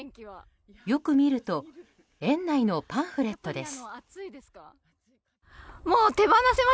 よく見ると園内のパンフレットです。